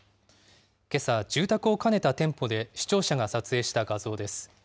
けさ、住宅を兼ねた店舗で視聴者が撮影した画像です。